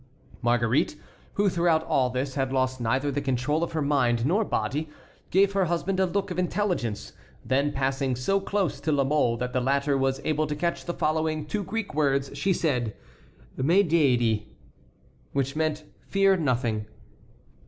Marguerite, who throughout all this had lost neither the control of her mind nor body, gave her husband a look of intelligence; then, passing so close to La Mole that the latter was able to catch the following two Greek words, she said: "Me deide," which meant, "Fear nothing."